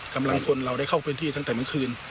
กำลังคนเราได้เข้าพื้นที่ตั้งแต่เมื่อคืน